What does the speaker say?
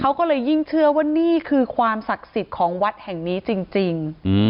เขาก็เลยยิ่งเชื่อว่านี่คือความศักดิ์สิทธิ์ของวัดแห่งนี้จริง